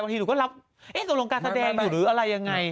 บางที่หนูก็รับตนวงกาแสดงอยู่หรืออะไรอย่างไร